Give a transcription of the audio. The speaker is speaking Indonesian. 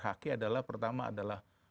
haki adalah pertama adalah